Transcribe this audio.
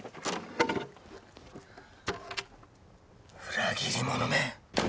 「裏切り者め」